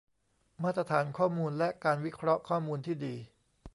มาตรฐานข้อมูล และ การวิเคราะห์ข้อมูลที่ดี